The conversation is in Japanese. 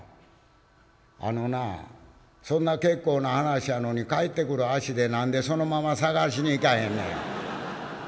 あのなそんな結構な話やのに帰ってくる足で何でそのまま捜しに行かへんねや？」。